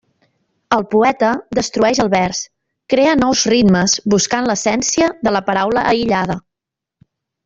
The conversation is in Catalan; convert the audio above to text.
El poeta destrueix el vers, crea nous ritmes, buscant l'essència de la paraula aïllada.